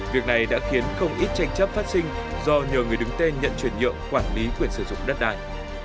việc này đã khiến không ít tranh chấp phát sinh do nhờ người đứng tên nhận chuyển nhượng quản lý quyền sử dụng đất đài